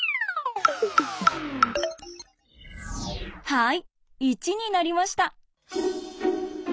はい１になりました！